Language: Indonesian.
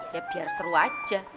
ya biar seru aja